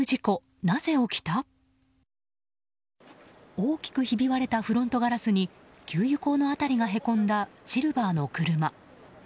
大きくひび割れたフロントガラスに給油口の辺りがへこんだシルバーの車。